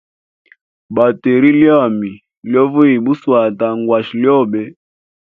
Bateri lyami lyo vuyia buswata, ngwashe lyobe.